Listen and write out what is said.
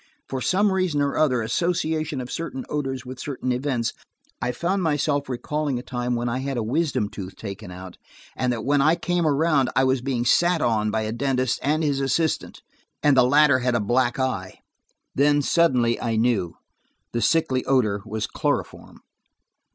For some reason or other–association of certain odors with certain events–I found myself recalling the time I had a wisdom tooth taken out, and that when I came around I was being sat on by a dentist and his assistant, and the latter had a black eye. Then, suddenly, I knew. The sickly odor was chloroform!